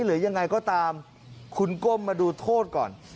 หรือยังไงก็ตามคุณก้มมาดูโทษก่อน